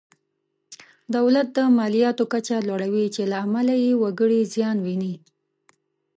دولت د مالیاتو کچه لوړوي چې له امله یې وګړي زیان ویني.